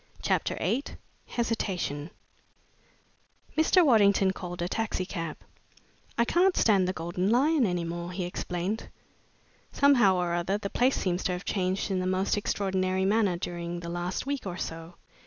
CHAPTER VIII HESITATION Mr. Waddington called a taxicab. "I can't stand the Golden Lion any longer," he explained. "Somehow or other, the place seems to have changed in the most extraordinary manner' during the last week or so.